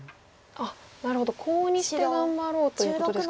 あっなるほどコウにして頑張ろうということですか。